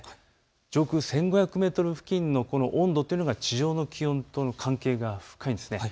上空１５００メートル付近の温度というのが地上の気温と関係が深いんです。